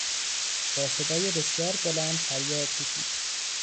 با صدای بسیار بلند فریاد کشید.